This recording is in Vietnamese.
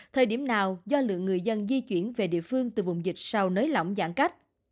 thời điểm nào do lượng người dân di chuyển về địa phương từ vùng dịch sau nới lỏng giãn cách